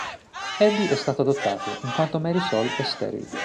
Eddie è stato adottato, in quanto Marisol è sterile.